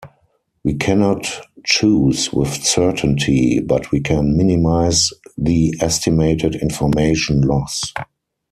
We cannot choose with certainty, but we can minimize the estimated information loss.